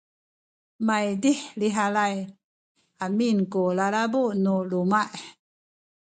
maydih lihalay amin ku lalabu nu luma’ ita